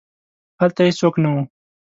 هلته هیڅوک نه وو.